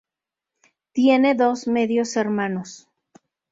Tiene dos medios hermanos.